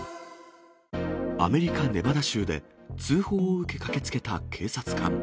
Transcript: アメリカ・ネバダ州で、通報を受け駆けつけた警察官。